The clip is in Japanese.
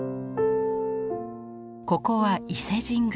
ここは伊勢神宮。